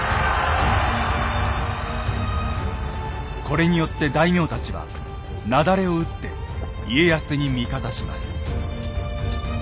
これによって大名たちはなだれを打って家康に味方します。